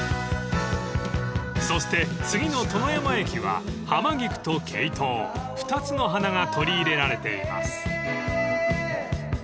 ［そして次の殿山駅はハマギクとケイトウ２つの花が取り入れられています］